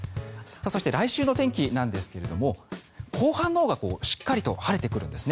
そして来週の天気なんですけれども後半のほうがしっかりと晴れてくるんですね。